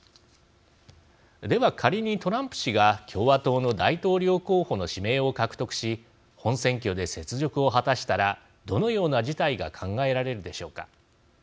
では、仮にトランプ氏が共和党の大統領候補の指名を獲得し本選挙で雪辱を果たしたらどのような事態が考えられるでしょうか。